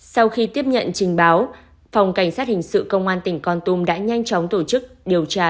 sau khi tiếp nhận trình báo phòng cảnh sát hình sự công an tỉnh con tum đã nhanh chóng tổ chức điều tra